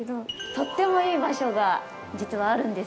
とってもいい場所が実はあるんです。